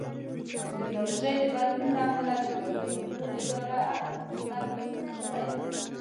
د ټکنالوژۍ د بدلون له امله د کاروبارونو اداره او پرمختګ اسان شوی دی.